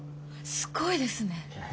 すごいですね。